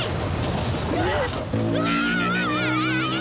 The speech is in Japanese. うわ！